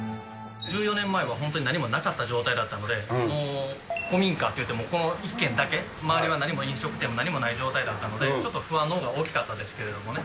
１４年前は、本当に何もなかった状態だったので、もう古民家って言うてもこの１軒だけ、周りは何も飲食店も何もない状態だったので、ちょっと不安のほうが大きかったですけどね。